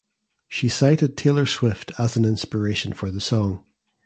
She cited Taylor Swift as an inspiration for the song.